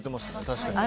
確かに。